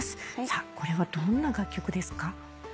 これはどんな楽曲ですか？